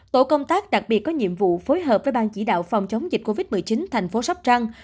tổ công tác đặc biệt có nhiệm vụ phối hợp với ban chỉ đạo phòng chống dịch covid một mươi chín thành phố sóc trăng